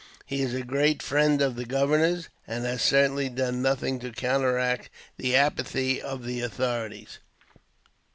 He is a great friend of the governor's, and has certainly done nothing to counteract the apathy of the authorities.